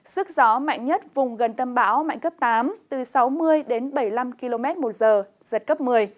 sức gió mạnh nhất vùng gần tâm bão mạnh cấp tám từ sáu mươi đến bảy mươi năm km một giờ giật cấp một mươi